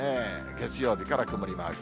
月曜日から曇りマーク。